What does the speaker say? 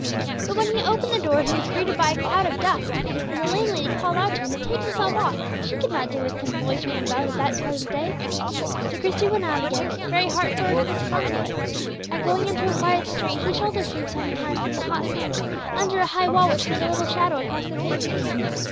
But when he opened the door he was greeted by a cloud of dust; and the landlady called out to him to take himself off, she could not do with him loitering about at that time of day. So Christie turned out again, very heart sore and disconsolate; and, going into a quiet street, he sheltered for some time from the hot sun under a high wall which made a little shadow across the pavement.